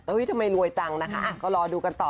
เฮ้ยทำไมรวยตั้งนะคะก็รอดูกันต่อไป